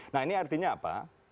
nah ini artinya apa